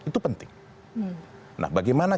itu penting nah bagaimana